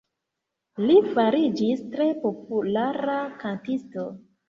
Li fariĝis tre populara kantisto.